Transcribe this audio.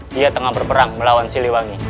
dia tengah berperang melawan siliwangi